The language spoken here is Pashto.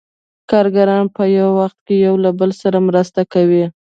کارګران په یو وخت کې یو له بل سره مرسته کوي